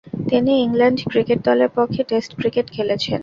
তিনি England cricket দলের পক্ষে টেস্ট ক্রিকেট খেলেছেন।